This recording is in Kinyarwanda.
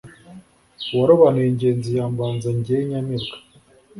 uwarobanura ingenzi yambanza jye nyamibwa.